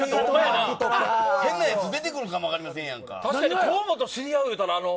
変なやつ出てくるかも分かりませんやん。